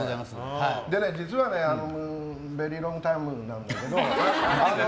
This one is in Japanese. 実はベリーロングタイムなんだけど。